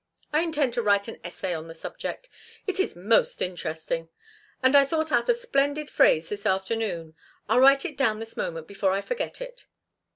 I intend to write an essay on the subject. It is most interesting. And I thought out a splendid phrase this afternoon. I'll write it down this moment before I forget it."